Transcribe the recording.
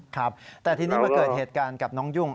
ครับแต่ทีนี้มาเกิดเหตุการณ์กับน้องยุ่ง